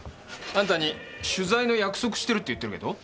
あんたに取材の約束してるって言ってるけど。